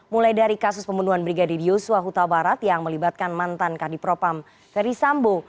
mulai dari kasus pembunuhan brigadir yosua hutabarat yang melibatkan mantan kadipropam ferisambo